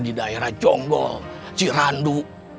di daerah conggol cirandu